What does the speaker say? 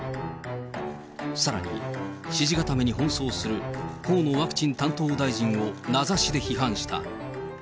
さらに、支持固めに奔走する、河野ワクチン担当大臣を名指しで批判した。